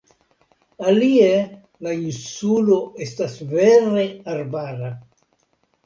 Alie la insulo estas vere arbara.